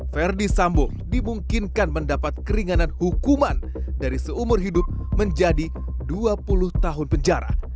verdi sambo dimungkinkan mendapat keringanan hukuman dari seumur hidup menjadi dua puluh tahun penjara